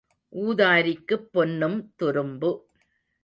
ஊதாரிக்குப் பொன்னும் துரும்பு.